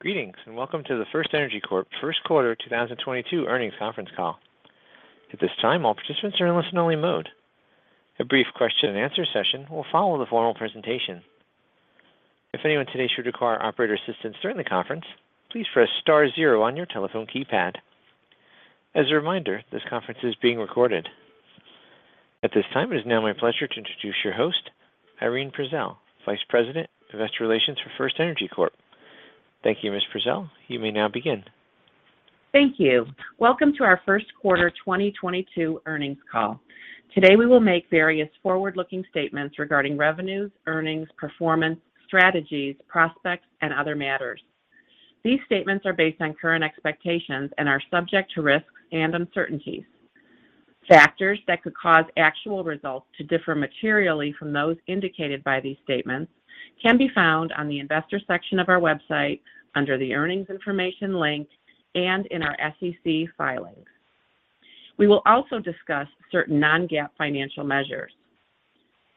Greetings, and welcome to the FirstEnergy Corp. First Quarter 2022 Earnings Conference Call. At this time, all participants are in listen-only mode. A brief question-and-answer session will follow the formal presentation. If anyone today should require operator assistance during the conference, please press star zero on your telephone keypad. As a reminder, this conference is being recorded. At this time, it is now my pleasure to introduce your host, Irene Prezelj, Vice President, Investor Relations for FirstEnergy Corp. Thank you, Ms. Prezelj. You may now begin. Thank you. Welcome to our first quarter 2022 earnings call. Today, we will make various forward-looking statements regarding revenues, earnings, performance, strategies, prospects, and other matters. These statements are based on current expectations and are subject to risks and uncertainties. Factors that could cause actual results to differ materially from those indicated by these statements can be found on the investor section of our website under the Earnings Information link and in our SEC filings. We will also discuss certain non-GAAP financial measures.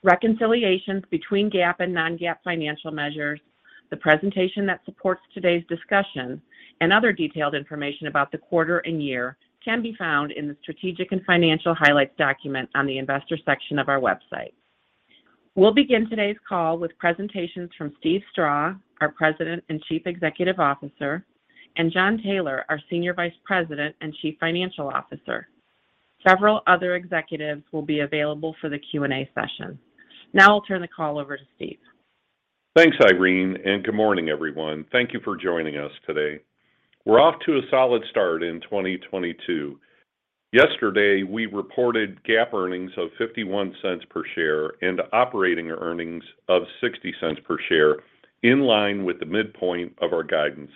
Reconciliations between GAAP and non-GAAP financial measures, the presentation that supports today's discussion, and other detailed information about the quarter and year can be found in the Strategic and Financial Highlights document on the investor section of our website. We'll begin today's call with presentations from Steve Strah, our President and Chief Executive Officer, and Jon Taylor, our Senior Vice President and Chief Financial Officer. Several other executives will be available for the Q&A session. Now I'll turn the call over to Steve. Thanks, Irene, and good morning, everyone. Thank you for joining us today. We're off to a solid start in 2022. Yesterday, we reported GAAP earnings of $0.51 per share and operating earnings of $0.60 per share, in line with the midpoint of our guidance.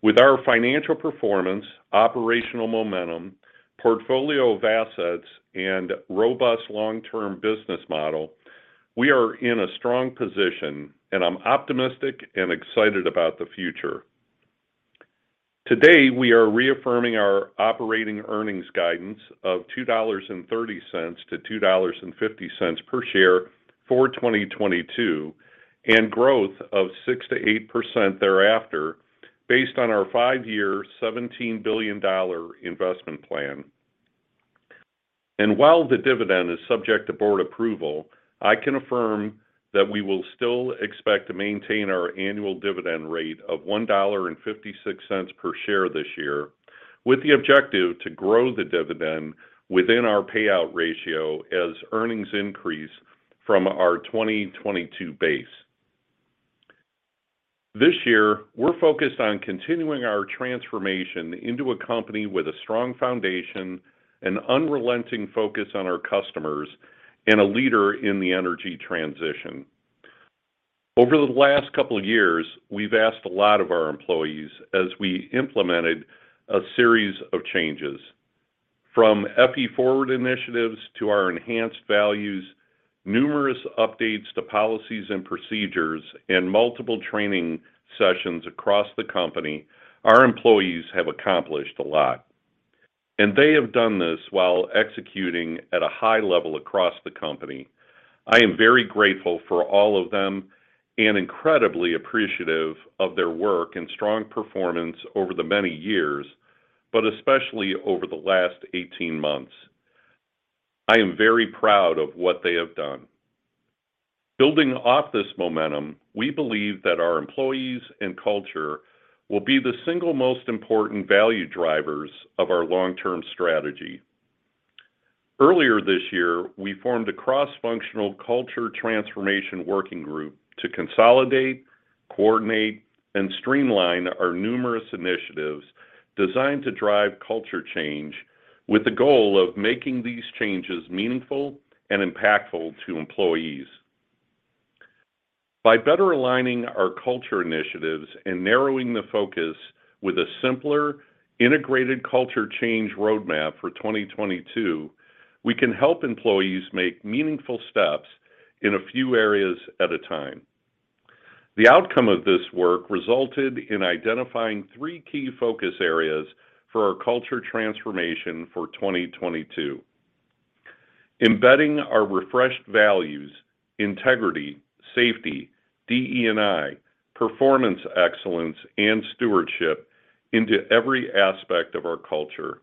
With our financial performance, operational momentum, portfolio of assets, and robust long-term business model, we are in a strong position, and I'm optimistic and excited about the future. Today, we are reaffirming our operating earnings guidance of $2.30-$2.50 per share for 2022 and growth of 6%-8% thereafter based on our five-year $17 billion investment plan. While the dividend is subject to board approval, I can affirm that we will still expect to maintain our annual dividend rate of $1.56 per share this year with the objective to grow the dividend within our payout ratio as earnings increase from our 2022 base. This year, we're focused on continuing our transformation into a company with a strong foundation, an unrelenting focus on our customers, and a leader in the energy transition. Over the last couple of years, we've asked a lot of our employees as we implemented a series of changes. From FE Forward initiatives to our enhanced values, numerous updates to policies and procedures, and multiple training sessions across the company, our employees have accomplished a lot, and they have done this while executing at a high level across the company. I am very grateful for all of them and incredibly appreciative of their work and strong performance over the many years, but especially over the last 18 months. I am very proud of what they have done. Building off this momentum, we believe that our employees and culture will be the single most important value drivers of our long-term strategy. Earlier this year, we formed a cross-functional culture transformation working group to consolidate, coordinate, and streamline our numerous initiatives designed to drive culture change with the goal of making these changes meaningful and impactful to employees. By better aligning our culture initiatives and narrowing the focus with a simpler, integrated culture change roadmap for 2022, we can help employees make meaningful steps in a few areas at a time. The outcome of this work resulted in identifying three key focus areas for our culture transformation for 2022. Embedding our refreshed values, integrity, safety, DE&I, performance excellence, and stewardship into every aspect of our culture.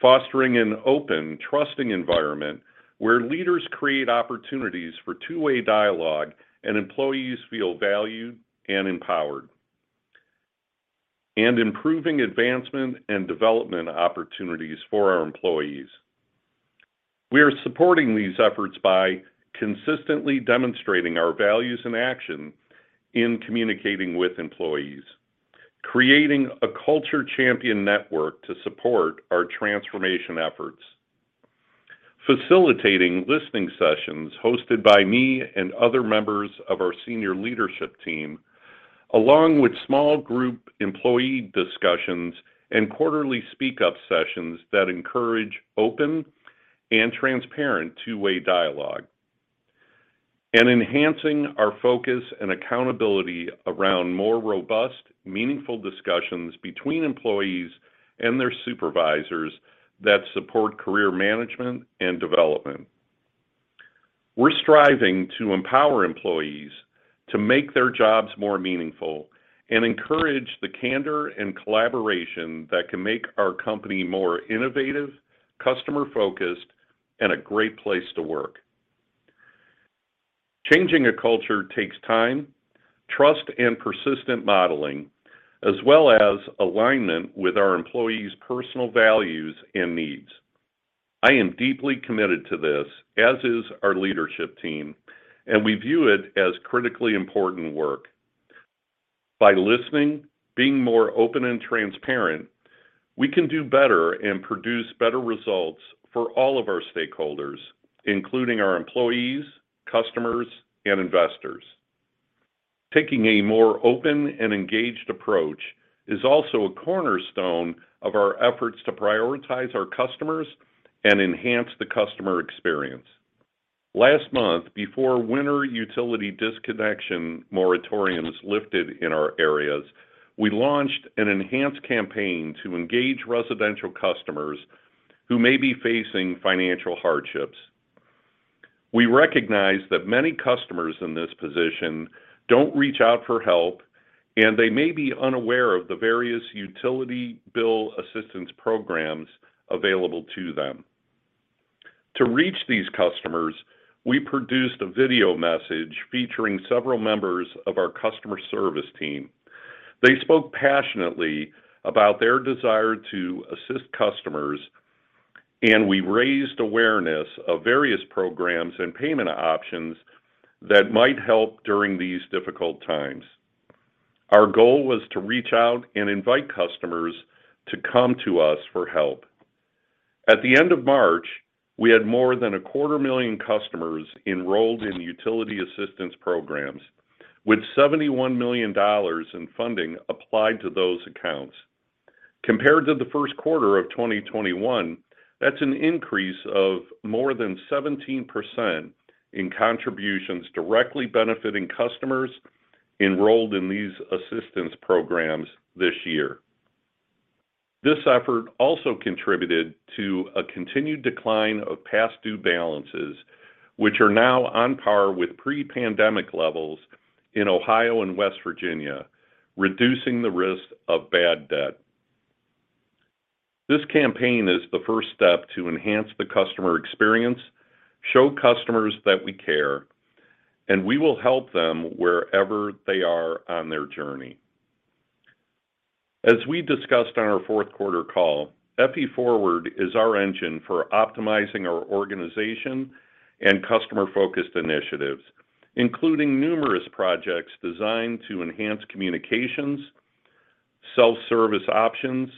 Fostering an open, trusting environment where leaders create opportunities for two-way dialogue and employees feel valued and empowered. Improving advancement and development opportunities for our employees. We are supporting these efforts by consistently demonstrating our values and action in communicating with employees, creating a culture champion network to support our transformation efforts, facilitating listening sessions hosted by me and other members of our senior leadership team, along with small group employee discussions and quarterly speak-up sessions that encourage open and transparent two-way dialogue. Enhancing our focus and accountability around more robust, meaningful discussions between employees and their supervisors that support career management and development. We're striving to empower employees to make their jobs more meaningful and encourage the candor and collaboration that can make our company more innovative, customer-focused, and a great place to work. Changing a culture takes time, trust, and persistent modeling, as well as alignment with our employees' personal values and needs. I am deeply committed to this, as is our leadership team, and we view it as critically important work. By listening, being more open and transparent, we can do better and produce better results for all of our stakeholders, including our employees, customers, and investors. Taking a more open and engaged approach is also a cornerstone of our efforts to prioritize our customers and enhance the customer experience. Last month, before winter utility disconnection moratoriums lifted in our areas, we launched an enhanced campaign to engage residential customers who may be facing financial hardships. We recognize that many customers in this position don't reach out for help, and they may be unaware of the various utility bill assistance programs available to them. To reach these customers, we produced a video message featuring several members of our customer service team. They spoke passionately about their desire to assist customers, and we raised awareness of various programs and payment options that might help during these difficult times. Our goal was to reach out and invite customers to come to us for help. At the end of March, we had more than 250,000 customers enrolled in utility assistance programs, with $71 million in funding applied to those accounts. Compared to the first quarter of 2021, that's an increase of more than 17% in contributions directly benefiting customers enrolled in these assistance programs this year. This effort also contributed to a continued decline of past due balances, which are now on par with pre-pandemic levels in Ohio and West Virginia, reducing the risk of bad debt. This campaign is the first step to enhance the customer experience, show customers that we care, and we will help them wherever they are on their journey. As we discussed on our fourth quarter call, FE Forward is our engine for optimizing our organization and customer-focused initiatives, including numerous projects designed to enhance communications, self-service options,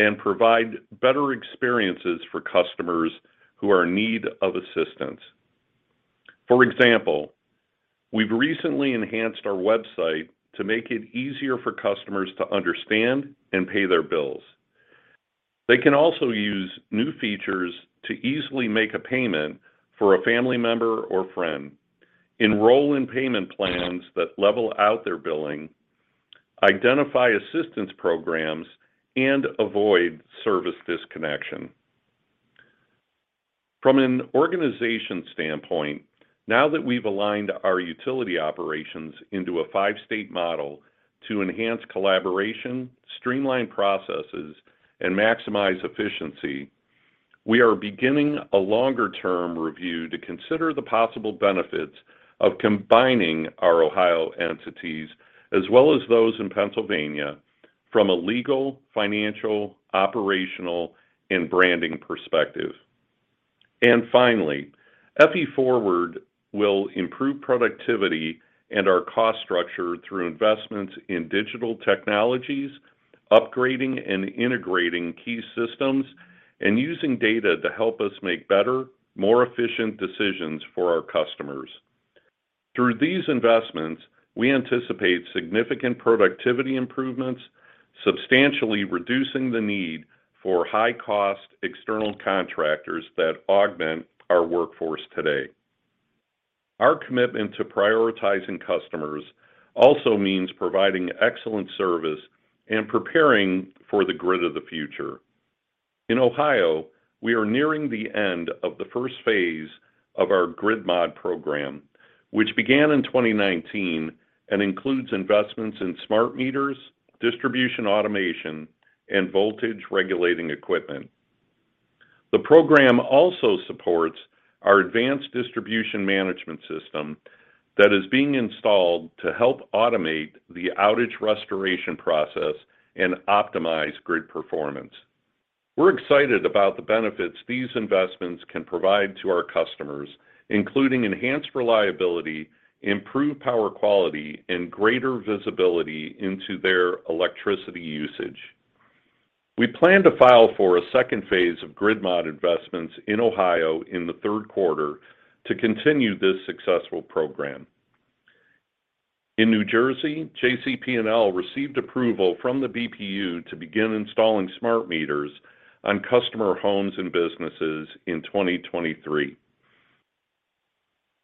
and provide better experiences for customers who are in need of assistance. For example, we've recently enhanced our website to make it easier for customers to understand and pay their bills. They can also use new features to easily make a payment for a family member or friend, enroll in payment plans that level out their billing, identify assistance programs, and avoid service disconnection. From an organization standpoint, now that we've aligned our utility operations into a five-state model to enhance collaboration, streamline processes, and maximize efficiency, we are beginning a longer-term review to consider the possible benefits of combining our Ohio entities as well as those in Pennsylvania from a legal, financial, operational, and branding perspective. Finally, FE Forward will improve productivity and our cost structure through investments in digital technologies, upgrading and integrating key systems, and using data to help us make better, more efficient decisions for our customers. Through these investments, we anticipate significant productivity improvements, substantially reducing the need for high-cost external contractors that augment our workforce today. Our commitment to prioritizing customers also means providing excellent service and preparing for the grid of the future. In Ohio, we are nearing the end of the first phase of our Grid Mod program, which began in 2019 and includes investments in smart meters, distribution automation, and voltage regulating equipment. The program also supports our advanced distribution management system that is being installed to help automate the outage restoration process and optimize grid performance. We're excited about the benefits these investments can provide to our customers, including enhanced reliability, improved power quality, and greater visibility into their electricity usage. We plan to file for a second phase of Grid Mod investments in Ohio in the third quarter to continue this successful program. In New Jersey, JCP&L received approval from the BPU to begin installing smart meters on customer homes and businesses in 2023.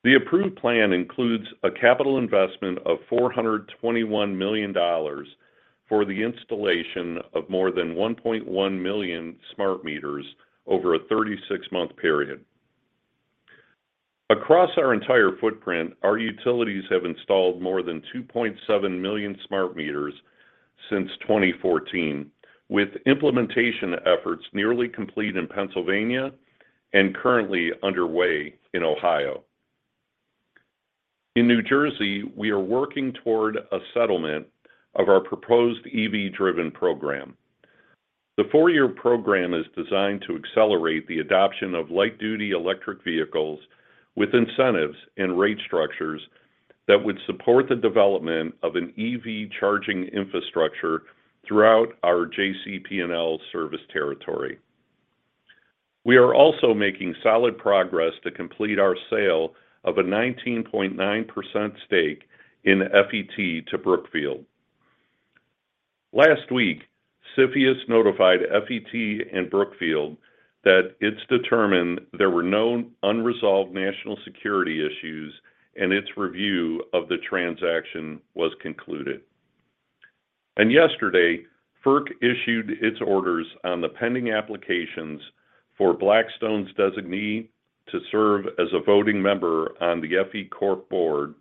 The approved plan includes a capital investment of $421 million for the installation of more than 1.1 million smart meters over a 36-month period. Across our entire footprint, our utilities have installed more than 2.7 million smart meters since 2014, with implementation efforts nearly complete in Pennsylvania and currently underway in Ohio. In New Jersey, we are working toward a settlement of our proposed EV-driven program. The four-year program is designed to accelerate the adoption of light-duty electric vehicles with incentives and rate structures that would support the development of an EV charging infrastructure throughout our JCP&L service territory. We are also making solid progress to complete our sale of a 19.9% stake in FET to Brookfield. Last week, CFIUS notified FET and Brookfield that it's determined there were no unresolved national security issues and its review of the transaction was concluded. Yesterday, FERC issued its orders on the pending applications for Blackstone's designee to serve as a voting member on the FE Corp board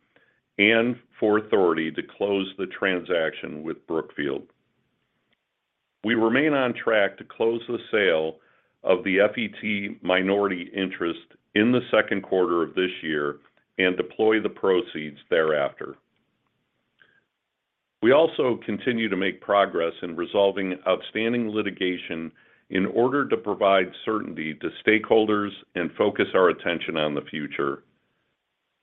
and for authority to close the transaction with Brookfield. We remain on track to close the sale of the FET minority interest in the second quarter of this year and deploy the proceeds thereafter. We also continue to make progress in resolving outstanding litigation in order to provide certainty to stakeholders and focus our attention on the future.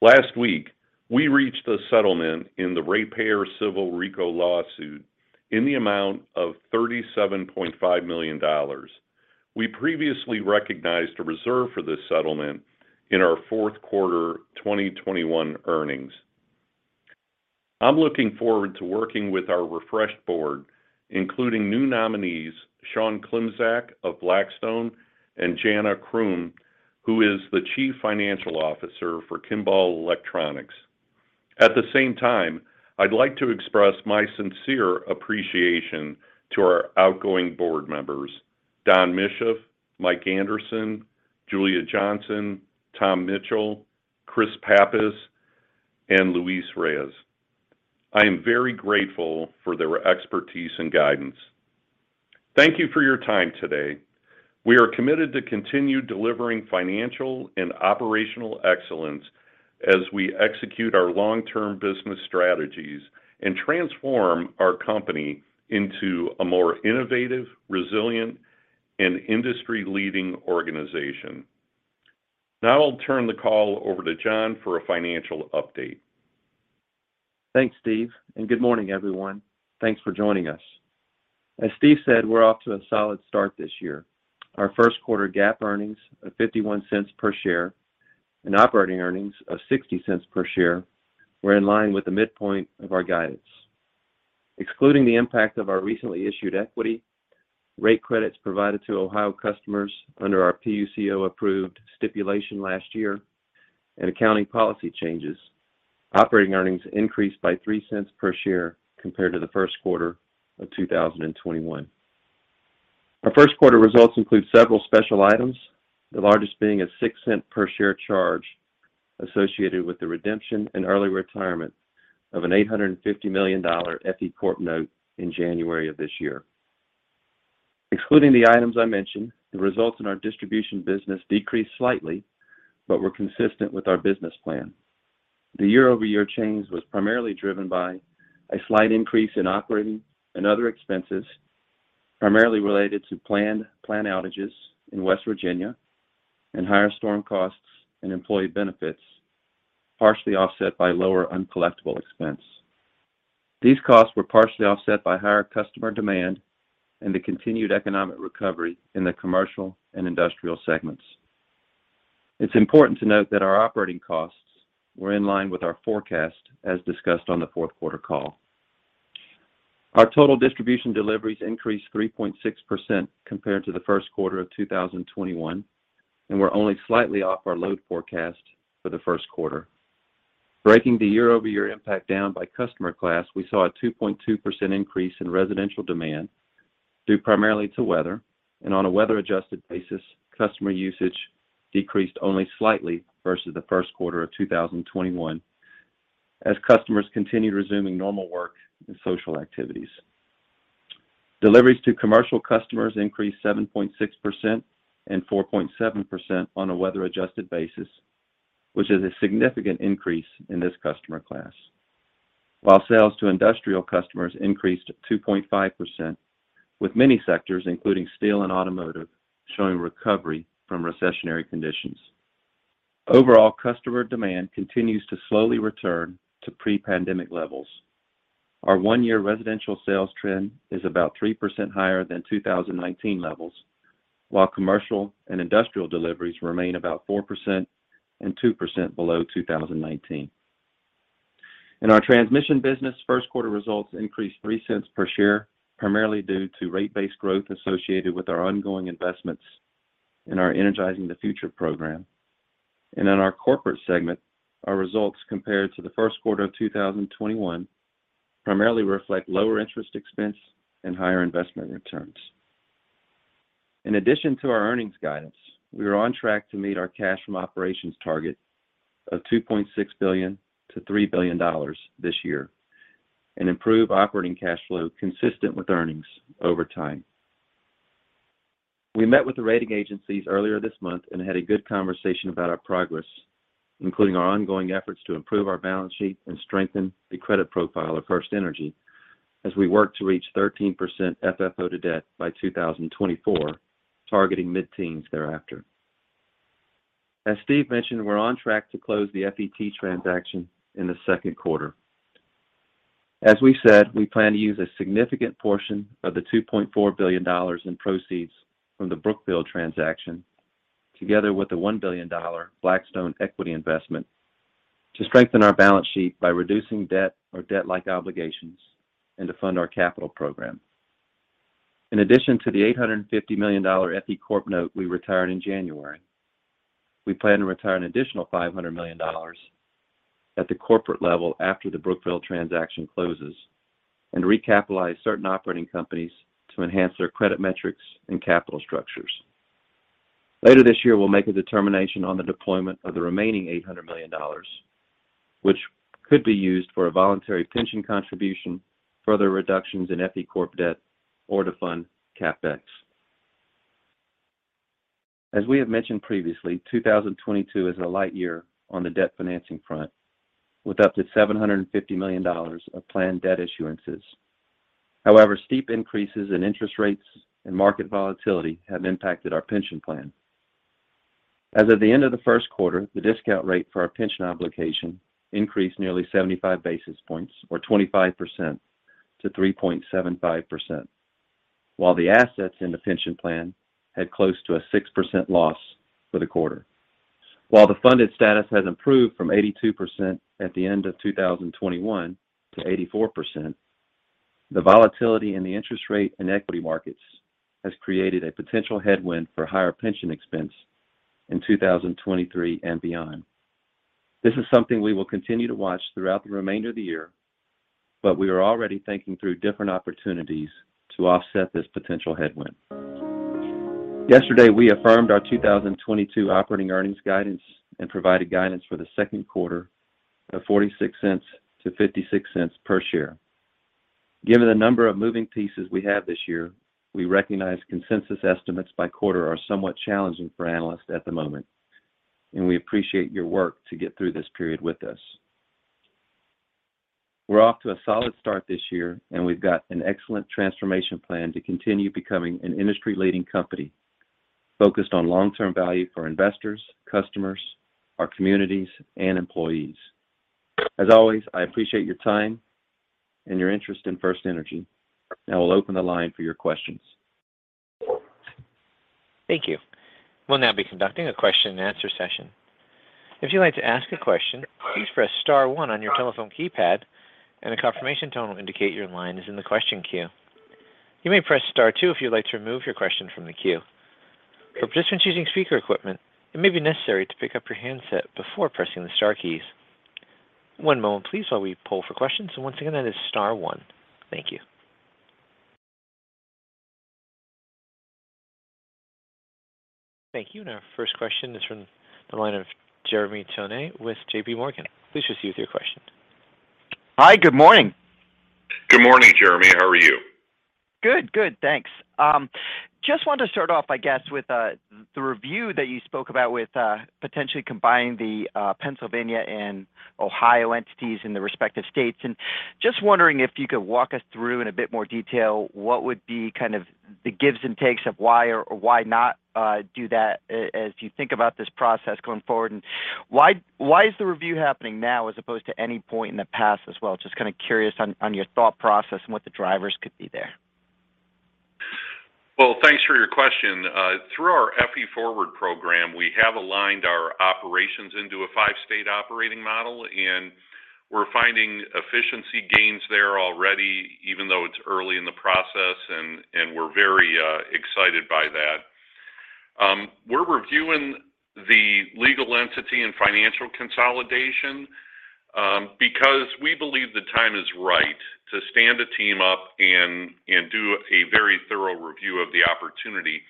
Last week, we reached a settlement in the ratepayer civil RICO lawsuit in the amount of $37.5 million. We previously recognized a reserve for this settlement in our fourth quarter 2021 earnings. I'm looking forward to working with our refreshed board, including new nominees, Sean Klimczak of Blackstone and Jana Croom, who is the Chief Financial Officer for Kimball Electronics. At the same time, I'd like to express my sincere appreciation to our outgoing board members, Don Misheff, Mike Anderson, Julia Johnson, Tom Mitchell, Chris Pappas, and Luis Reyes. I am very grateful for their expertise and guidance. Thank you for your time today. We are committed to continue delivering financial and operational excellence as we execute our long-term business strategies and transform our company into a more innovative, resilient, and industry-leading organization. Now I'll turn the call over to Jon for a financial update. Thanks, Steve, and good morning, everyone. Thanks for joining us. As Steve said, we're off to a solid start this year. Our first quarter GAAP earnings of $0.51 per share and operating earnings of $0.60per share were in line with the midpoint of our guidance. Excluding the impact of our recently issued equity, rate credits provided to Ohio customers under our PUCO-approved stipulation last year, and accounting policy changes, operating earnings increased by $0.03 per share compared to the first quarter of 2021. Our first quarter results include several special items, the largest being a $0.06 per share charge associated with the redemption and early retirement of an $850 million FE Corp note in January of this year. Excluding the items I mentioned, the results in our distribution business decreased slightly but were consistent with our business plan. The year-over-year change was primarily driven by a slight increase in operating and other expenses, primarily related to planned plant outages in West Virginia and higher storm costs and employee benefits, partially offset by lower uncollectible expense. These costs were partially offset by higher customer demand and the continued economic recovery in the commercial and industrial segments. It's important to note that our operating costs were in line with our forecast as discussed on the fourth quarter call. Our total distribution deliveries increased 3.6% compared to the first quarter of 2021 and were only slightly off our load forecast for the first quarter. Breaking the year-over-year impact down by customer class, we saw a 2.2% increase in residential demand due primarily to weather. On a weather-adjusted basis, customer usage decreased only slightly versus the first quarter of 2021 as customers continued resuming normal work and social activities. Deliveries to commercial customers increased 7.6% and 4.7% on a weather-adjusted basis, which is a significant increase in this customer class. While sales to industrial customers increased 2.5%, with many sectors, including steel and automotive, showing recovery from recessionary conditions. Overall, customer demand continues to slowly return to pre-pandemic levels. Our one-year residential sales trend is about 3% higher than 2019 levels, while commercial and industrial deliveries remain about 4% and 2% below 2019. In our transmission business, first quarter results increased $0.03 per share, primarily due to rate-based growth associated with our ongoing investments in our Energizing the Future program. In our corporate segment, our results compared to the first quarter of 2021 primarily reflect lower interest expense and higher investment returns. In addition to our earnings guidance, we are on track to meet our cash from operations target of $2.6 billion-$3 billion this year and improve operating cash flow consistent with earnings over time. We met with the rating agencies earlier this month and had a good conversation about our progress, including our ongoing efforts to improve our balance sheet and strengthen the credit profile of FirstEnergy as we work to reach 13% FFO to debt by 2024, targeting mid-teens thereafter. As Steve mentioned, we're on track to close the FET transaction in the second quarter. As we said, we plan to use a significant portion of the $2.4 billion in proceeds from the Brookfield transaction, together with the $1 billion Blackstone equity investment to strengthen our balance sheet by reducing debt or debt-like obligations and to fund our capital program. In addition to the $850 million FE Corp note we retired in January, we plan to retire an additional $500 million at the corporate level after the Brookfield transaction closes and recapitalize certain operating companies to enhance their credit metrics and capital structures. Later this year, we'll make a determination on the deployment of the remaining $800 million, which could be used for a voluntary pension contribution, further reductions in FE Corp debt, or to fund CapEx. As we have mentioned previously, 2022 is a light year on the debt financing front, with up to $750 million of planned debt issuances. However, steep increases in interest rates and market volatility have impacted our pension plan. As of the end of the first quarter, the discount rate for our pension obligation increased nearly 75 basis points or 25% to 3.75%, while the assets in the pension plan had close to a 6% loss for the quarter. While the funded status has improved from 82% at the end of 2021 to 84%, the volatility in the interest rate and equity markets has created a potential headwind for higher pension expense in 2023 and beyond. This is something we will continue to watch throughout the remainder of the year, but we are already thinking through different opportunities to offset this potential headwind. Yesterday, we affirmed our 2022 operating earnings guidance and provided guidance for the second quarter of $0.46-$0.56 per share. Given the number of moving pieces we have this year, we recognize consensus estimates by quarter are somewhat challenging for analysts at the moment, and we appreciate your work to get through this period with us. We're off to a solid start this year, and we've got an excellent transformation plan to continue becoming an industry-leading company focused on long-term value for investors, customers, our communities, and employees. As always, I appreciate your time and your interest in FirstEnergy. Now we'll open the line for your questions. Thank you. We'll now be conducting a question and answer session. If you'd like to ask a question, please press star one on your telephone keypad and a confirmation tone will indicate your line is in the question queue. You may press star two if you'd like to remove your question from the queue. For participants using speaker equipment, it may be necessary to pick up your handset before pressing the star keys. One moment, please, while we pull for questions. Once again, that is star one. Thank you. Thank you. Our first question is from the line of Jeremy Tonet with J.P. Morgan. Please proceed with your question. Hi. Good morning. Good morning, Jeremy. How are you? Just wanted to start off, I guess, with the review that you spoke about with potentially combining the Pennsylvania and Ohio entities in the respective states. Just wondering if you could walk us through in a bit more detail what would be kind of the gives and takes of why or why not do that as you think about this process going forward. Why is the review happening now as opposed to any point in the past as well? Just kind of curious on your thought process and what the drivers could be there. Well, thanks for your question. Through our FE Forward program, we have aligned our operations into a five-state operating model, and we're finding efficiency gains there already, even though it's early in the process, and we're very excited by that. We're reviewing the legal entity and financial consolidation because we believe the time is right to stand a team up and do a very thorough review of the opportunity.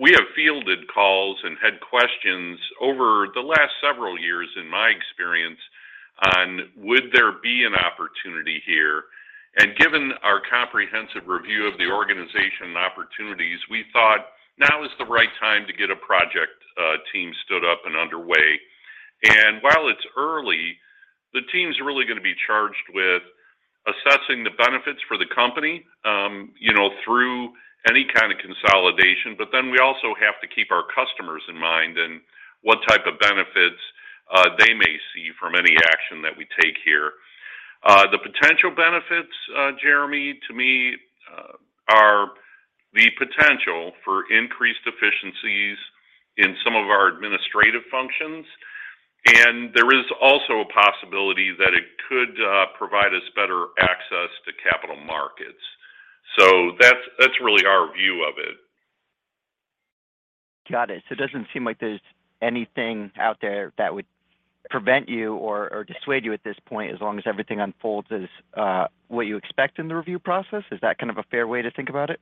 We have fielded calls and had questions over the last several years, in my experience, on whether there would be an opportunity here. Given our comprehensive review of the organization and opportunities, we thought now is the right time to get a project team stood up and underway. While it's early, the team's really gonna be charged with assessing the benefits for the company, you know, through any kind of consolidation. We also have to keep our customers in mind and what type of benefits they may see from any action that we take here. The potential benefits, Jeremy, to me, are the potential for increased efficiencies in some of our administrative functions. There is also a possibility that it could provide us better access to capital markets. That's really our view of it. Got it. It doesn't seem like there's anything out there that would prevent you or dissuade you at this point as long as everything unfolds as what you expect in the review process. Is that kind of a fair way to think about it?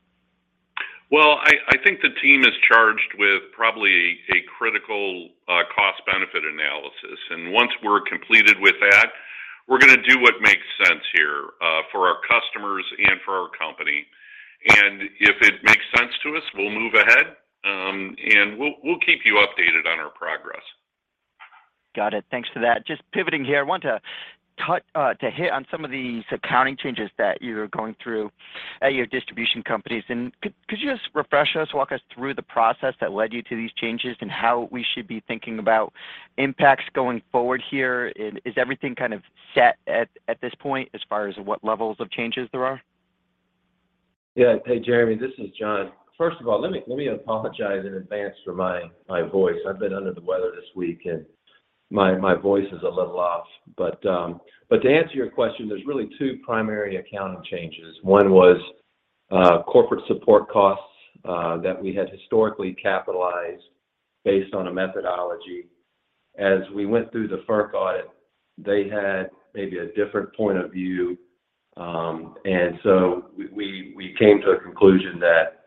Well, I think the team is charged with probably a critical cost benefit analysis. Once we're completed with that, we're gonna do what makes sense here for our customers and for our company. If it makes sense to us, we'll move ahead, and we'll keep you updated on our progress. Got it. Thanks for that. Just pivoting here, I want to hit on some of these accounting changes that you're going through at your distribution companies. Could you just refresh us, walk us through the process that led you to these changes and how we should be thinking about impacts going forward here? Is everything kind of set at this point as far as what levels of changes there are? Yeah. Hey, Jeremy, this is Jon. First of all, let me apologize in advance for my voice. I've been under the weather this week, and my voice is a little off. To answer your question, there's really two primary accounting changes. One was corporate support costs that we had historically capitalized based on a methodology. As we went through the FERC audit, they had maybe a different point of view. We came to a conclusion that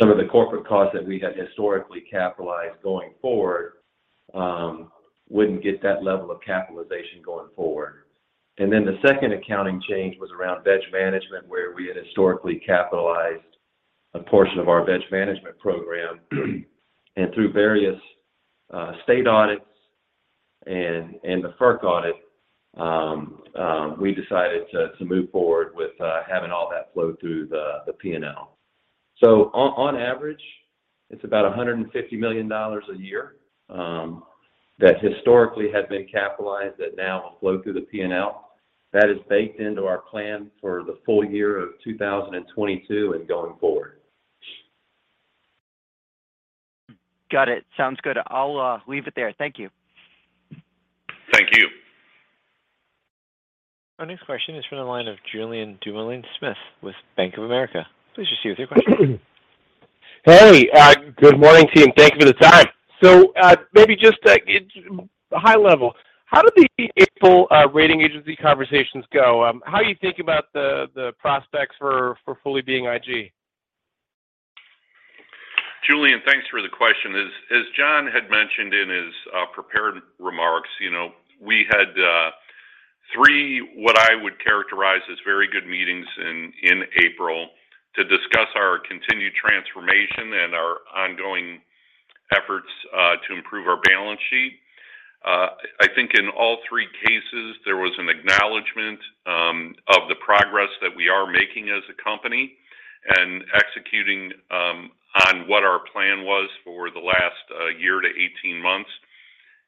some of the corporate costs that we had historically capitalized going forward wouldn't get that level of capitalization going forward. Then the second accounting change was around vegetation management, where we had historically capitalized a portion of our vegetation management program. Through various state audits and the FERC audit, we decided to move forward with having all that flow through the P&L. On average, it's about $150 million a year that historically had been capitalized that now will flow through the P&L. That is baked into our plan for the full year of 2022 and going forward. Got it. Sounds good. I'll leave it there. Thank you. Thank you. Our next question is from the line of Julien Dumoulin-Smith with Bank of America. Please proceed with your question. Hey, good morning to you, and thank you for the time. Maybe just high level, how did the April rating agency conversations go? How are you thinking about the prospects for fully being IG? Julien, thanks for the question. As Jon had mentioned in his prepared remarks, you know, we had three, what I would characterize as very good meetings in April to discuss our continued transformation and our ongoing efforts to improve our balance sheet. I think in all three cases, there was an acknowledgment of the progress that we are making as a company and executing on what our plan was for the last year to 18 months.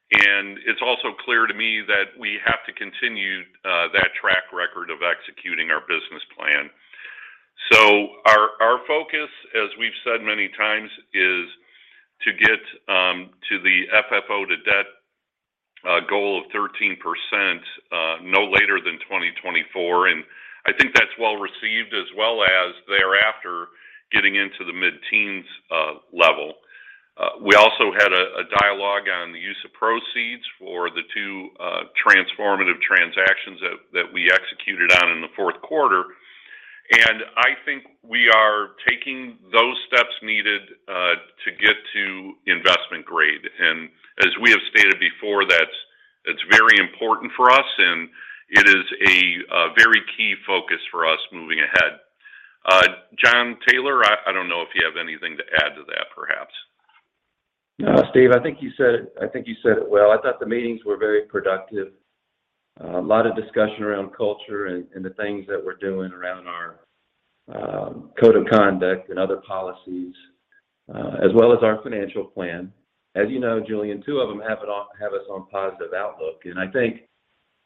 It's also clear to me that we have to continue that track record of executing our business plan. Our focus, as we've said many times, is to get to the FFO to debt goal of 13% no later than 2024, and I think that's well received, as well as thereafter getting into the mid-teens level. We also had a dialogue on the use of proceeds for the two transformative transactions that we executed on in the fourth quarter. I think we are taking those steps needed to get to investment grade. As we have stated before, that's very important for us, and it is a very key focus for us moving ahead. Jon Taylor, I don't know if you have anything to add to that, perhaps. No, Steve, I think you said it well. I thought the meetings were very productive. A lot of discussion around culture and the things that we're doing around our code of conduct and other policies, as well as our financial plan. As you know, Julien, two of them have us on positive outlook. I think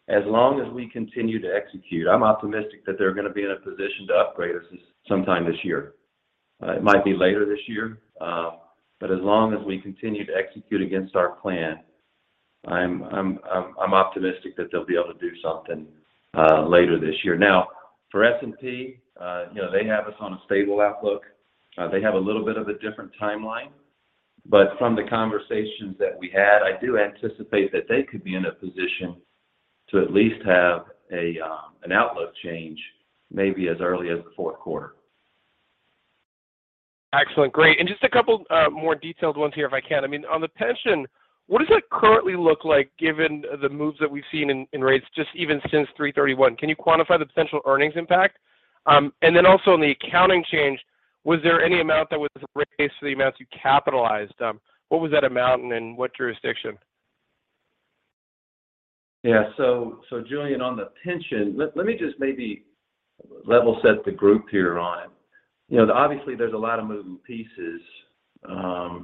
as long as we continue to execute, I'm optimistic that they're gonna be in a position to upgrade us sometime this year. It might be later this year, but as long as we continue to execute against our plan, I'm optimistic that they'll be able to do something later this year. Now, for S&P, you know, they have us on a stable outlook. They have a little bit of a different timeline. From the conversations that we had, I do anticipate that they could be in a position to at least have an outlook change maybe as early as the fourth quarter. Excellent. Great. Just a couple more detailed ones here, if I can. I mean, on the pension, what does that currently look like given the moves that we've seen in rates just even since 3/31? Can you quantify the potential earnings impact? Then also on the accounting change, was there any amount that was raised for the amounts you capitalized? What was that amount and in what jurisdiction? Yeah. Julien, on the pension, let me just maybe level set the group here on. You know, obviously there's a lot of moving parts,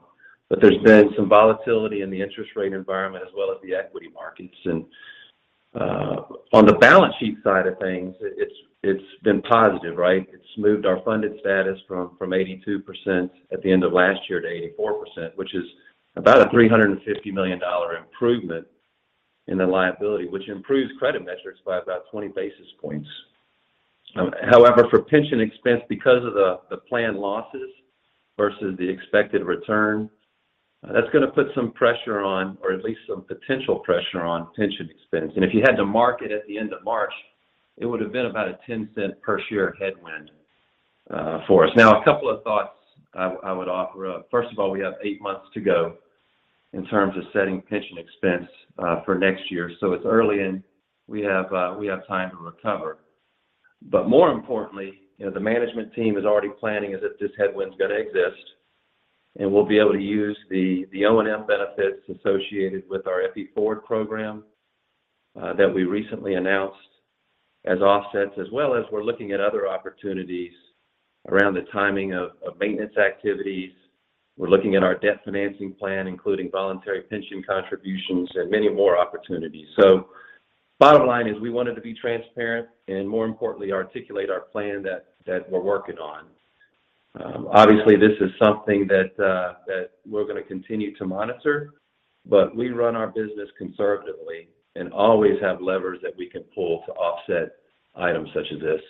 but there's been some volatility in the interest rate environment as well as the equity markets. On the balance sheet side of things, it's been positive, right? It's moved our funded status from 82% at the end of last year to 84%, which is about a $350 million improvement in the liability, which improves credit metrics by about 20 basis points. However, for pension expense, because of the plan losses versus the expected return, that's gonna put some pressure on or at least some potential pressure on pension expense. If you had to market at the end of March, it would have been about a $0.10 per share headwind for us. Now a couple of thoughts I would offer up. First of all, we have eight months to go in terms of setting pension expense for next year. So it's early, and we have time to recover. But more importantly, you know, the management team is already planning as if this headwind is gonna exist. We'll be able to use the O&M benefits associated with our FE Forward program that we recently announced as offsets. As well as we're looking at other opportunities around the timing of maintenance activities. We're looking at our debt financing plan, including voluntary pension contributions and many more opportunities. Bottom line is we wanted to be transparent and more importantly, articulate our plan that we're working on. Obviously, this is something that we're gonna continue to monitor, but we run our business conservatively and always have levers that we can pull to offset items such as this.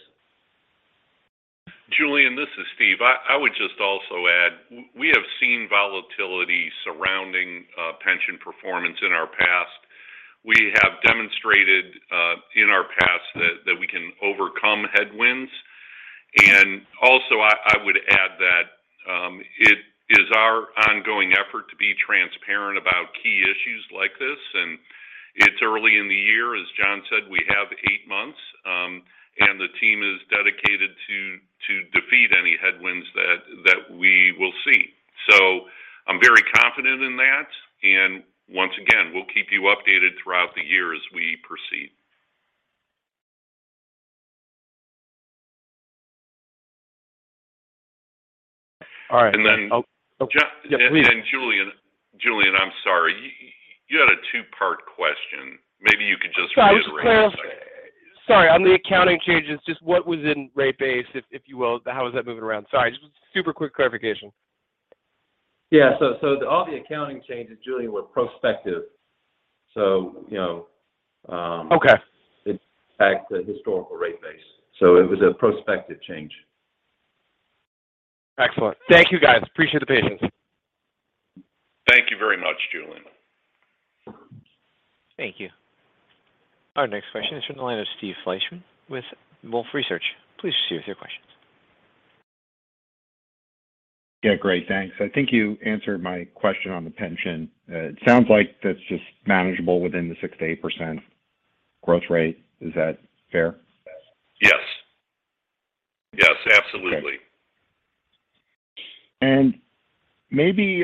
Julien, this is Steve. I would just also add, we have seen volatility surrounding pension performance in our past. We have demonstrated in our past that we can overcome headwinds. I would add that it is our ongoing effort to be transparent about key issues like this. It's early in the year. As Jon said, we have eight months. The team is dedicated to defeat any headwinds that we will see. I'm very confident in that. Once again, we'll keep you updated throughout the year as we proceed. All right. And then- Oh. Oh- Jon- Yeah, please. Julien, I'm sorry. You had a two-part question. Maybe you could just reiterate it. Sorry. On the accounting changes, just what was in rate base, if you will? How is that moving around? Sorry. Just super quick clarification. Yeah. So all the accounting changes, Julien, were prospective. So, you know, it backs the historical rate base. So it was a prospective change. Excellent. Thank you, guys. Appreciate the patience. Thank you very much, Julien. Thank you. Our next question is from the line of Steve Fleishman with Wolfe Research. Please proceed with your questions. Yeah, great. Thanks. I think you answered my question on the pension. It sounds like that's just manageable within the 6%-8% growth rate. Is that fair? Yes. Yes, absolutely. Maybe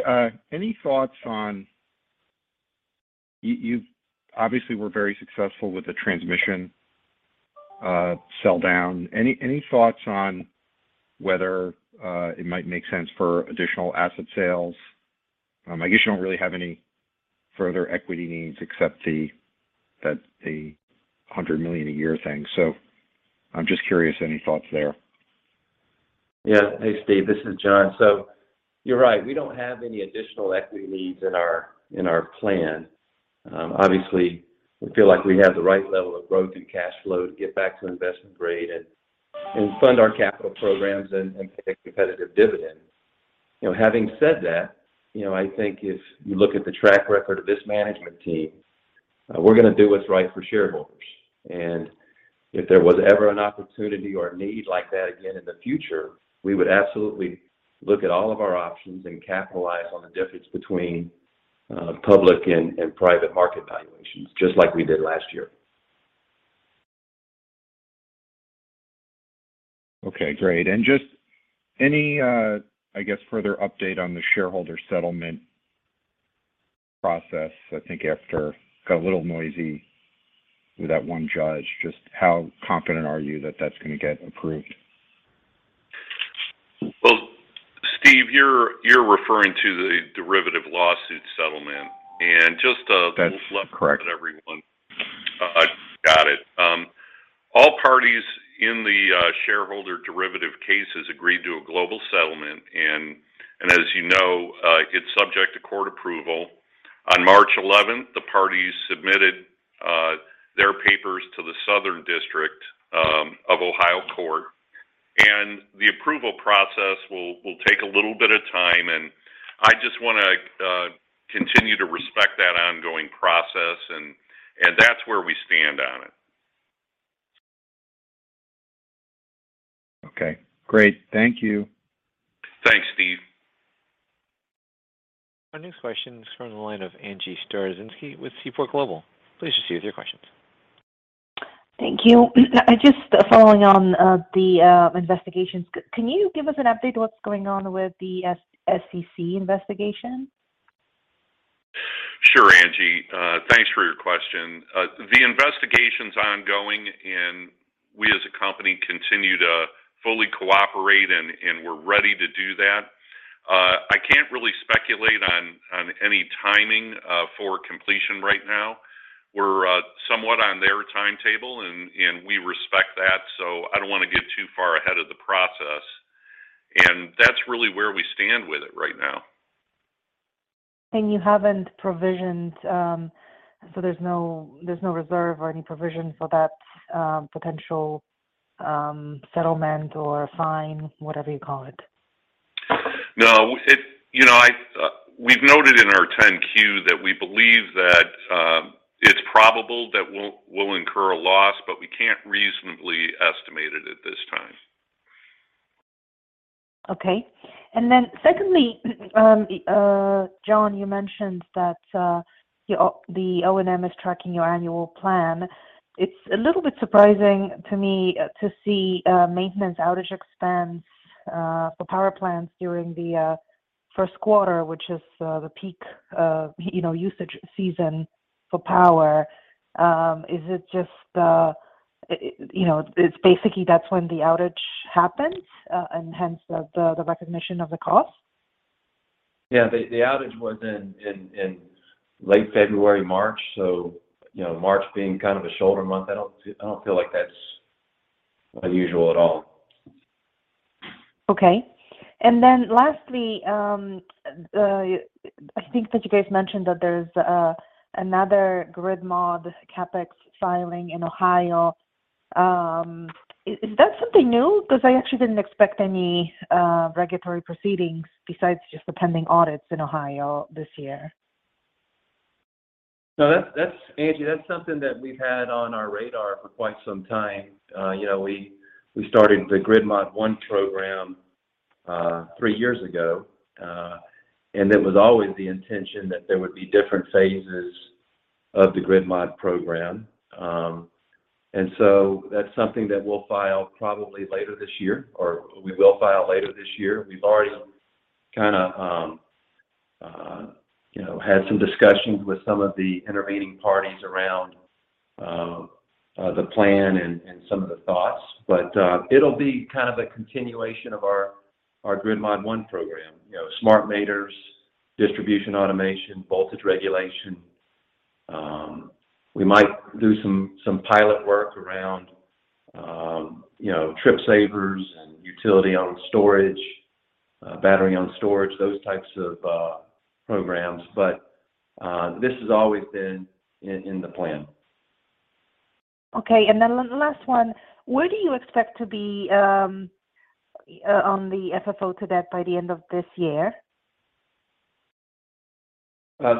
any thoughts on whether you've obviously were very successful with the transmission sell down. Any thoughts on whether it might make sense for additional asset sales? I guess you don't really have any further equity needs except that $100 million a year thing. I'm just curious, any thoughts there? Yeah. Hey, Steve, this is Jon. You're right. We don't have any additional equity needs in our plan. Obviously, we feel like we have the right level of growth and cash flow to get back to investment grade and fund our capital programs and pay competitive dividend. You know, having said that, you know, I think if you look at the track record of this management team, we're gonna do what's right for shareholders. If there was ever an opportunity or need like that again in the future, we would absolutely look at all of our options and capitalize on the difference between public and private market valuations, just like we did last year. Okay, great. Just any, I guess, further update on the shareholder settlement process. I think after it got a little noisy with that one judge, just how confident are you that that's gonna get approved? Well, Steve, you're referring to the derivative lawsuit settlement. Just to- That's correct.... everyone got it. All parties in the shareholder derivative cases agreed to a global settlement. As you know, it's subject to court approval. On March 11th, the parties submitted their papers to the Southern District of Ohio Court. The approval process will take a little bit of time. I just wanna continue to respect that ongoing process. That's where we stand on it. Okay, great. Thank you. Thanks, Steve. Our next question is from the line of Angie Storozynski with Seaport Global. Please proceed with your questions. Thank you. Just following on the investigations, can you give us an update what's going on with the SEC investigation? Sure, Angie. Thanks for your question. The investigation's ongoing, and we as a company continue to fully cooperate, and we're ready to do that. I can't really speculate on any timing for completion right now. We're somewhat on their timetable and we respect that, so I don't wanna get too far ahead of the process. That's really where we stand with it right now. You haven't provisioned, so there's no reserve or any provision for that potential settlement or fine, whatever you call it. No. You know, we've noted in our 10-Q that we believe that it's probable that we'll incur a loss, but we can't reasonably estimate it at this time. Okay. Secondly, Jon, you mentioned that the O&M is tracking your annual plan. It's a little bit surprising to me to see maintenance outage expense for power plants during the first quarter, which is the peak you know usage season for power. Is it just you know it's basically that's when the outage happens and hence the recognition of the cost? Yeah. The outage was in late February, March. You know, March being kind of a shoulder month, I don't feel like that's unusual at all. Okay. Lastly, I think that you guys mentioned that there's another Grid Mod CapEx filing in Ohio. Is that something new? Because I actually didn't expect any regulatory proceedings besides just the pending audits in Ohio this year. No, that's Angie, that's something that we've had on our radar for quite some time. You know, we started the Grid Mod I program three years ago. It was always the intention that there would be different phases of the Grid Mod program. That's something that we'll file probably later this year, or we will file later this year. We've already kinda you know, had some discussions with some of the intervening parties around the plan and some of the thoughts. It'll be kind of a continuation of our Grid Mod I program. You know, smart meters, distribution automation, voltage regulation. We might do some pilot work around you know, trip savers and utility-owned storage, battery-owned storage, those types of programs. This has always been in the plan. Okay. Last one. Where do you expect to be on the FFO to debt by the end of this year? From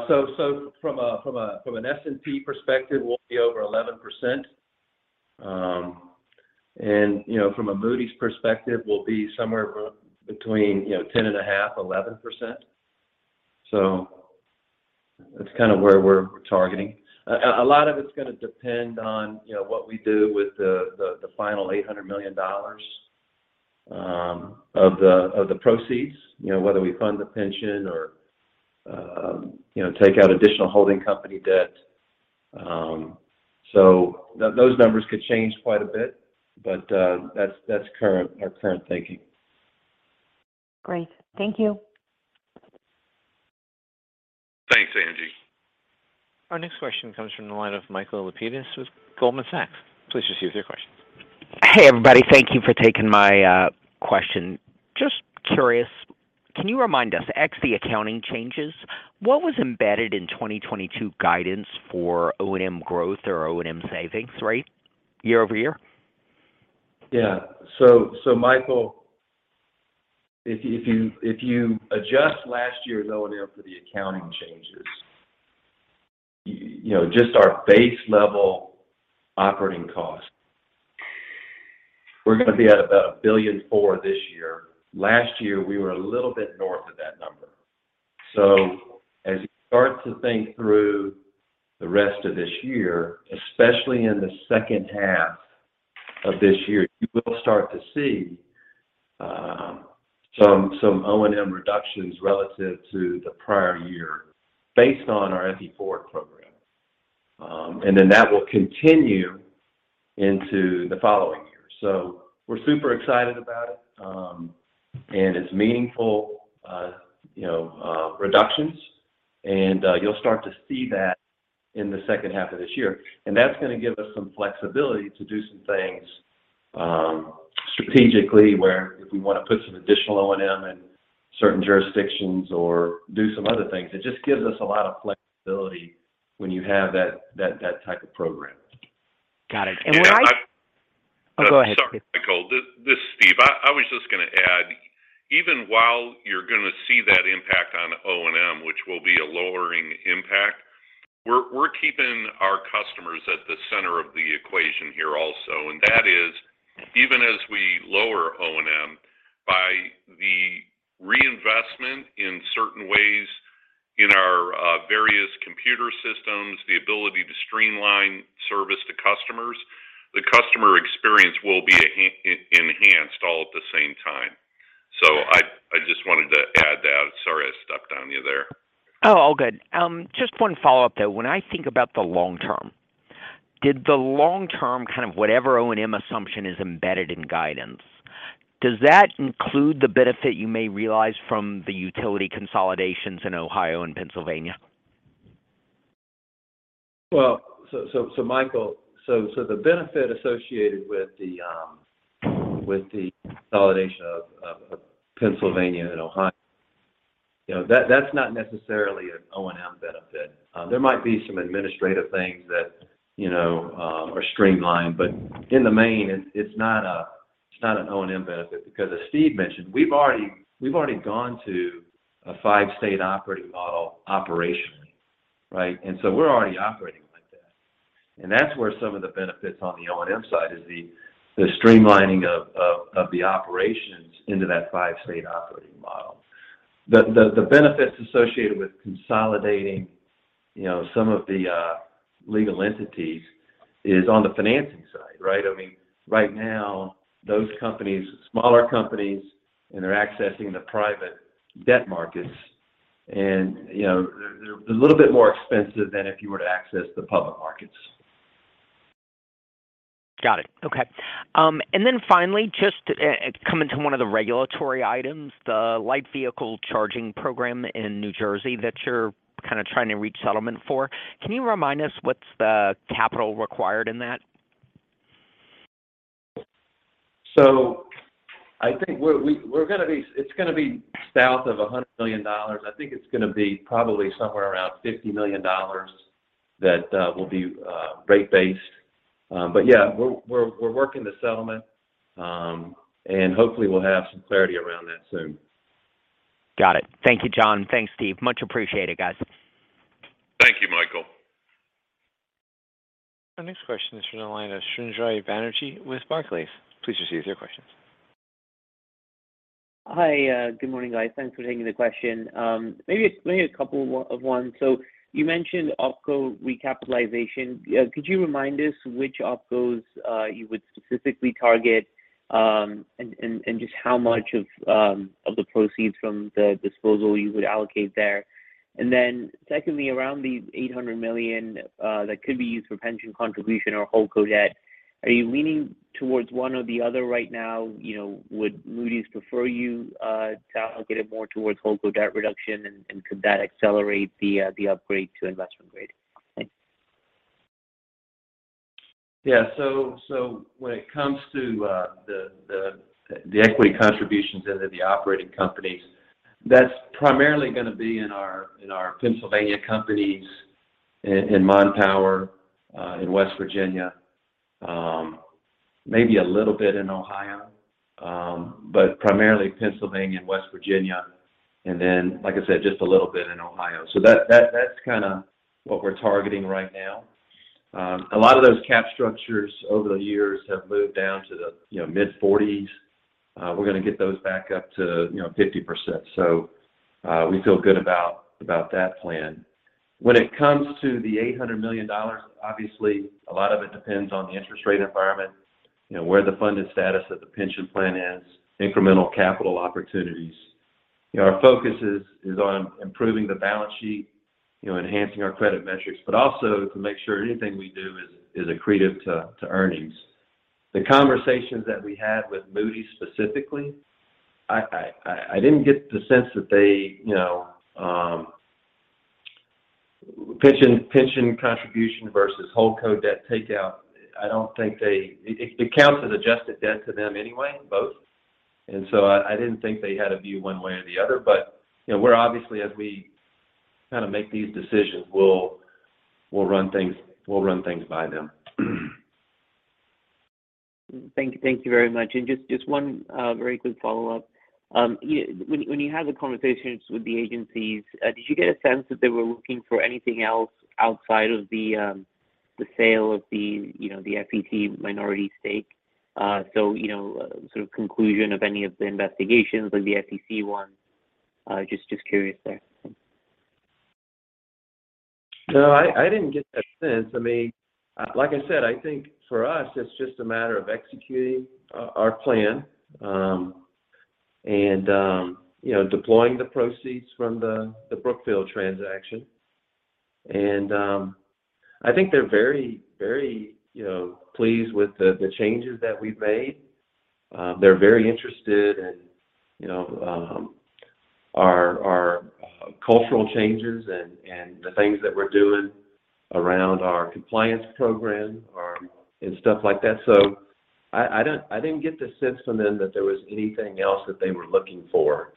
an S&P perspective, we'll be over 11%. You know, from a Moody's perspective, we'll be somewhere between, you know, 10.5%-11%. That's kind of where we're targeting. A lot of it's gonna depend on, you know, what we do with the final $800 million of the proceeds. You know, whether we fund the pension or, you know, take out additional holding company debt. Those numbers could change quite a bit, but that's our current thinking. Great. Thank you. Thanks, Angie. Our next question comes from the line of Michael Lapides with Goldman Sachs. Please just use your questions. Hey, everybody. Thank you for taking my question. Just curious, can you remind us, ex the accounting changes, what was embedded in 2022 guidance for O&M growth or O&M savings rate year-over-year? Yeah. Michael, if you adjust last year's O&M for the accounting changes, you know, just our base level operating costs, we're gonna be at about $1.4 billion this year. Last year, we were a little bit north of that number. As you start to think through the rest of this year, especially in the second half of this year, you will start to see some O&M reductions relative to the prior year based on our FE Forward program. And then that will continue into the following year. We're super excited about it, and it's meaningful, you know, reductions. You'll start to see that in the second half of this year. That's gonna give us some flexibility to do some things strategically where if we wanna put some additional O&M in certain jurisdictions or do some other things, it just gives us a lot of flexibility when you have that type of program. Got it. Yeah. Oh, go ahead, Steve. Sorry, Michael. This is Steve. I was just gonna add, even while you're gonna see that impact on O&M, which will be a lowering impact, we're keeping our customers at the center of the equation here also. That is even as we lower O&M by the reinvestment in certain ways in our various computer systems, the ability to streamline service to customers, the customer experience will be enhanced all at the same time. I just wanted to add that. Sorry, I stepped on you there. Oh, all good. Just one follow-up, though. When I think about the long term, kind of whatever O&M assumption is embedded in guidance, does that include the benefit you may realize from the utility consolidations in Ohio and Pennsylvania? Michael, so the benefit associated with the consolidation of Pennsylvania and Ohio, you know, that's not necessarily an O&M benefit. There might be some administrative things that, you know, are streamlined, but in the main, it's not an O&M benefit because as Steve mentioned, we've already gone to a five-state operating model operationally, right? We're already operating like that. That's where some of the benefits on the O&M side is the streamlining of the operations into that five-state operating model. The benefits associated with consolidating, you know, some of the legal entities is on the financing side, right? I mean, right now, those companies, smaller companies, and they're accessing the private debt markets and, you know, they're a little bit more expensive than if you were to access the public markets. Got it. Okay. Finally, just coming to one of the regulatory items, the light vehicle charging program in New Jersey that you're kind of trying to reach settlement for. Can you remind us what's the capital required in that? I think it's gonna be south of $100 million. I think it's gonna be probably somewhere around $50 million that will be rate-based. Yeah, we're working the settlement, and hopefully we'll have some clarity around that soon. Got it. Thank you, Jon. Thanks, Steve. Much appreciated, guys. Thank you, Michael. Our next question is from the line of Srinjoy Banerjee with Barclays. Please proceed with your questions. Hi. Good morning, guys. Thanks for taking the question. Maybe a couple of one. You mentioned OpCo recapitalization. Could you remind us which OpCos you would specifically target, and just how much of the proceeds from the disposal you would allocate there? Secondly, around the $800 million that could be used for pension contribution or holdco debt, are you leaning towards one or the other right now? You know, would Moody's prefer you to allocate it more towards holdco debt reduction, and could that accelerate the upgrade to investment grade? Thanks. Yeah. When it comes to the equity contributions into the operating companies, that's primarily gonna be in our Pennsylvania companies in Mon Power in West Virginia, maybe a little bit in Ohio, but primarily Pennsylvania and West Virginia. Like I said, just a little bit in Ohio. That's kinda what we're targeting right now. A lot of those cap structures over the years have moved down to, you know, the mid-40s. We're gonna get those back up to, you know, 50%. We feel good about that plan. When it comes to the $800 million, obviously, a lot of it depends on the interest rate environment, you know, where the funded status of the pension plan is, incremental capital opportunities. You know, our focus is on improving the balance sheet, you know, enhancing our credit metrics, but also to make sure anything we do is accretive to earnings. The conversations that we had with Moody's specifically, I didn't get the sense that they, you know, pension contribution versus holdco debt takeout. I don't think they. It counts as adjusted debt to them anyway, both. I didn't think they had a view one way or the other. You know, we're obviously, as we kind of make these decisions, we'll run things by them. Thank you. Thank you very much. Just one very quick follow-up. You know, when you have the conversations with the agencies, did you get a sense that they were looking for anything else outside of the sale of the, you know, the FET minority stake? So, you know, sort of conclusion of any of the investigations like the SEC one? Just curious there. Thanks. No, I didn't get that sense. I mean, like I said, I think for us it's just a matter of executing our plan, and you know, deploying the proceeds from the Brookfield transaction. I think they're very you know, pleased with the changes that we've made. They're very interested in you know, our cultural changes and the things that we're doing around our compliance program or and stuff like that. I didn't get the sense from them that there was anything else that they were looking for.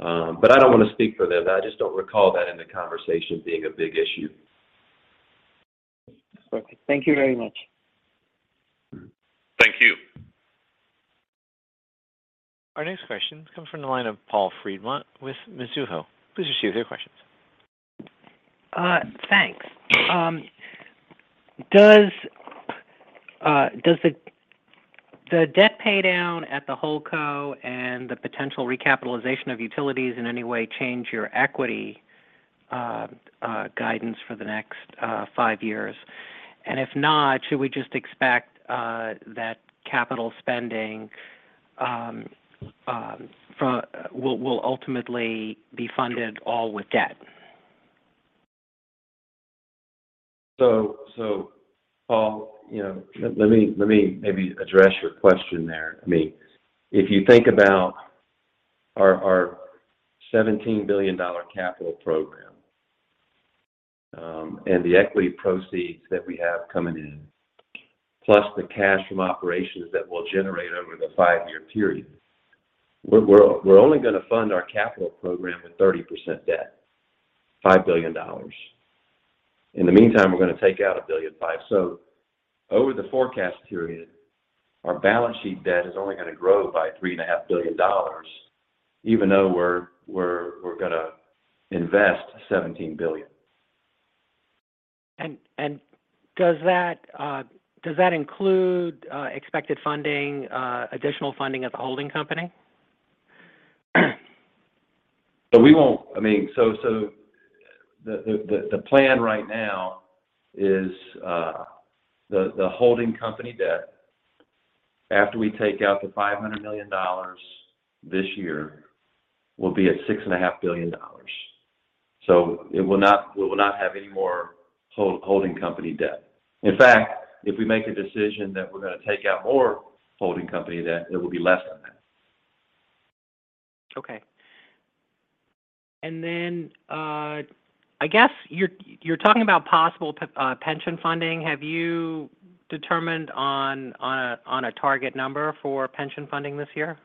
I don't want to speak for them. I just don't recall that in the conversation being a big issue. Perfect. Thank you very much. Mm-hmm. Thank you. Our next question comes from the line of Paul Fremont with Mizuho. Please proceed with your questions. Thanks. Does the debt pay down at the holdco and the potential recapitalization of utilities in any way change your equity guidance for the next five years? If not, should we just expect that capital spending will ultimately be funded all with debt? Paul, you know, let me maybe address your question there. I mean, if you think about our $17 billion capital program, and the equity proceeds that we have coming in, plus the cash from operations that we'll generate over the five-year period, we're only gonna fund our capital program with 30% debt, $5 billion. In the meantime, we're gonna take out $1.5 billion. Over the forecast period, our balance sheet debt is only gonna grow by $3.5 billion, even though we're gonna invest $17 billion. Does that include expected funding, additional funding of the holding company? I mean, the plan right now is the holding company debt, after we take out $500 million this year, will be at $6.5 billion. We will not have any more holding company debt. In fact, if we make a decision that we're gonna take out more holding company debt, it will be less than that. Okay. I guess you're talking about possible pension funding. Have you determined on a target number for pension funding this year?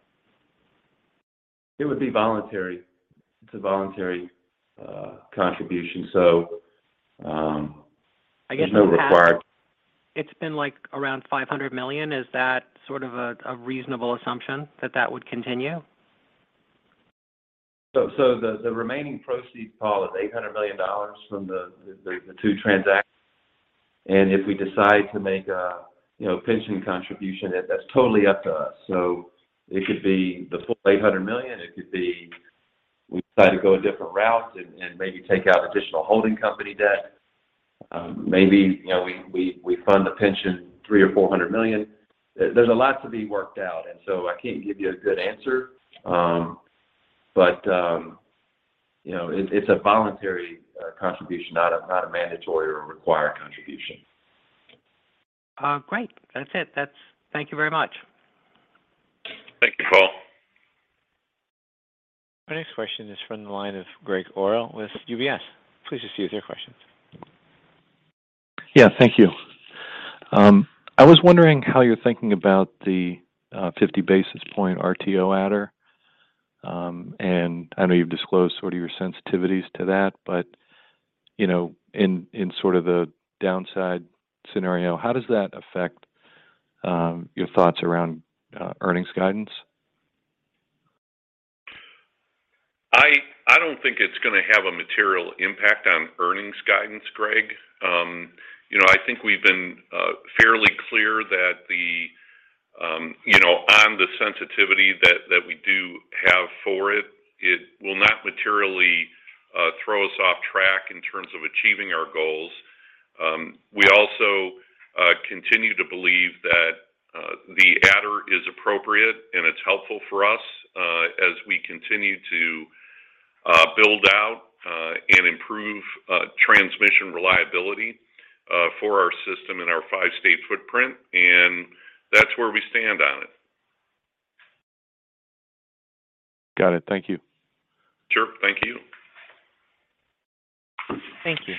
It would be voluntary. It's a voluntary contribution. I guess in the past. There's no required- It's been, like, around $500 million. Is that sort of a reasonable assumption that that would continue? The remaining proceeds, Paul, is $800 million from the two transactions. If we decide to make a, you know, pension contribution, that's totally up to us. It could be the full $800 million. It could be we decide to go a different route and maybe take out additional holding company debt. Maybe, you know, we fund the pension $300 million or $400 million. There's a lot to be worked out, and so I can't give you a good answer. But, you know, it's a voluntary contribution, not a mandatory or required contribution. Great. That's it. Thank you very much. Thank you, Paul. Our next question is from the line of Gregg Orrill with UBS. Please just use your questions. Yeah. Thank you. I was wondering how you're thinking about the 50 basis point RTO adder. I know you've disclosed sort of your sensitivities to that. You know, in sort of the downside scenario, how does that affect your thoughts around earnings guidance? I don't think it's gonna have a material impact on earnings guidance, Greg. You know, I think we've been fairly clear that, you know, on the sensitivity that we do have for it will not materially throw us off track in terms of achieving our goals. We also continue to believe that the adder is appropriate, and it's helpful for us as we continue to build out and improve transmission reliability for our system and our five-state footprint, and that's where we stand on it. Got it. Thank you. Sure. Thank you. Thank you.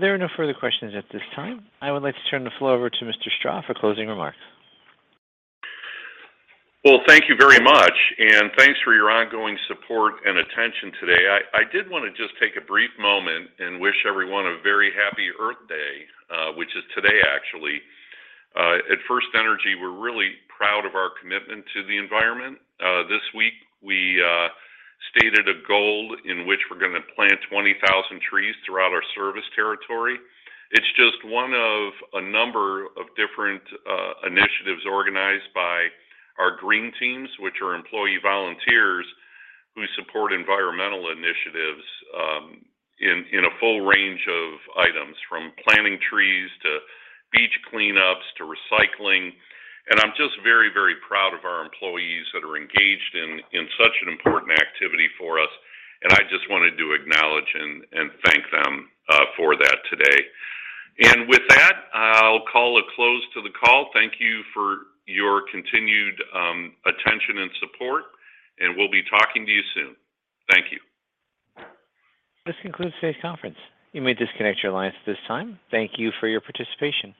There are no further questions at this time. I would like to turn the floor over to Mr. Strah for closing remarks. Well, thank you very much, and thanks for your ongoing support and attention today. I did wanna just take a brief moment and wish everyone a very happy Earth Day, which is today, actually. At FirstEnergy, we're really proud of our commitment to the environment. This week we stated a goal in which we're gonna plant 20,000 trees throughout our service territory. It's just one of a number of different initiatives organized by our green teams, which are employee volunteers who support environmental initiatives in a full range of items from planting trees to beach cleanups to recycling. I'm just very, very proud of our employees that are engaged in such an important activity for us, and I just wanted to acknowledge and thank them for that today. With that, I'll call a close to the call. Thank you for your continued attention and support, and we'll be talking to you soon. Thank you. This concludes today's conference. You may disconnect your lines at this time. Thank you for your participation.